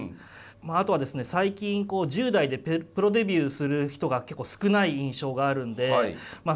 あとはですね最近１０代でプロデビューする人が結構少ない印象があるんでまあそれぐらいですね